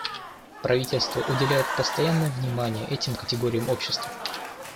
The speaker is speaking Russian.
Правительство уделяет постоянное внимание этим категориям общества.